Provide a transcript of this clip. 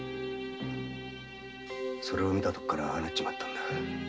それを見たときからああなっちまったんだ。